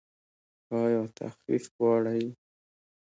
ایا تخفیف غواړئ؟